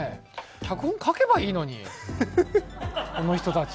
脚本書けばいいのに、この人たち。